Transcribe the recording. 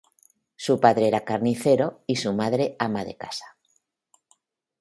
Su padre era carnicero y su madre ama de casa.